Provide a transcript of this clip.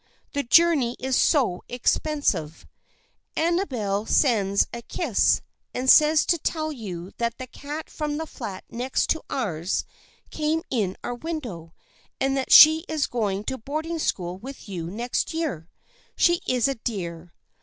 The journey is so expensive ! Amabel sends a kiss and says to tell you that the cat from the flat next to ours came in our window, and that she is going to boarding school with you next year. She is a dear.